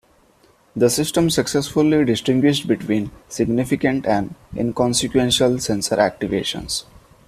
The system successfully distinguished between significant and inconsequential sensor activations.